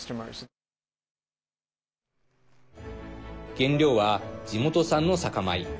原料は地元産の酒米。